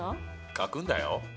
書くんだよ。